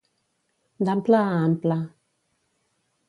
D'ample a ample.